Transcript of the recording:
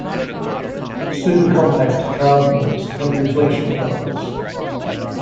Supercompact cardinals have reflection properties.